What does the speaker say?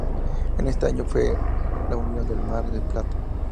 En ese año se fue al Unión de Mar del Plata.